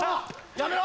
やめろ！